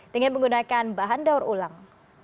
dengan menggunakan bahan daur ulang